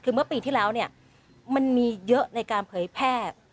คือเมื่อปีที่แล้วเนี่ยมันมีเยอะในการเผยแพร่